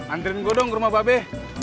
antriin gua dong ke rumah babi